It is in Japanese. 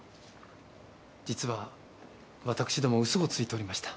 実は私どもウソをついておりました。